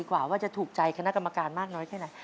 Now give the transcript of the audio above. กว่าว่าจะถูกใจคณะกรรมการมากน้อยแค่ไหน